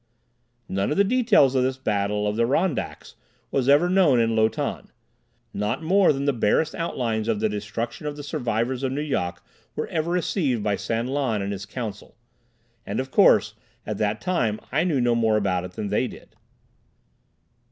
None of the details of this battle of the Ron Daks were ever known in Lo Tan. Not more than the barest outlines of the destruction of the survivors of Nu Yok were ever received by San Lan and his Council. And of course, at that time I knew no more about it than they did.